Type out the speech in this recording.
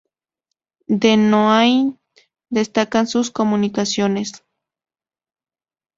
De Noáin destacan sus comunicaciones.